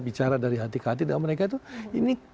bicara dari hati hati dengan mereka itu ini